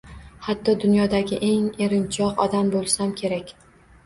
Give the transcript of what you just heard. Hatto dunyodagi eng erinchoq odam bo’lsam kerak.